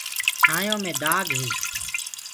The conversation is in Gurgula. چآننهڻيو مي دآگ هي